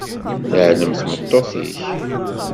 Teɛlem tmeṭṭut-ik?